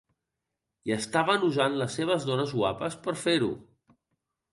I estaven usant les seves dones guapes per fer-ho.